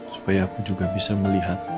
supaya aku juga bisa melihat